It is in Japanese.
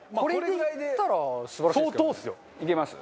いけます？